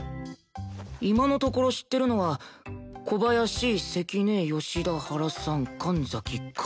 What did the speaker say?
今のところ知ってるのは小林関根吉田原さん神崎金生谷。